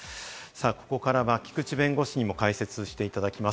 ここからは菊地弁護士にも解説していただきます。